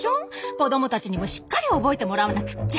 子どもたちにもしっかり覚えてもらわなくっちゃ。